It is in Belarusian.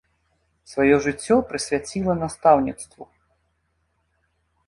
Сваё жыццё прысвяціла настаўніцтву.